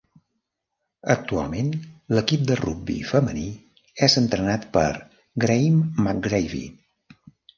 Actualment, l'equip de rugbi femení és entrenat per Graeme McGravie.